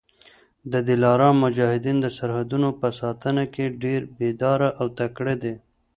د دلارام مجاهدین د سرحدونو په ساتنه کي ډېر بېداره او تکړه دي.